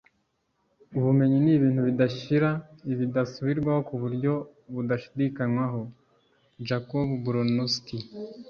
ubumenyi ni ibintu bidashira bidasubirwaho ku buryo budashidikanywaho. - jacob bronowski